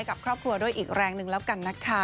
กับครอบครัวด้วยอีกแรงหนึ่งแล้วกันนะคะ